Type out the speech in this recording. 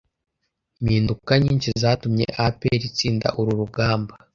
mpinduka nyinshi zatumye APR itsinda uru rugamba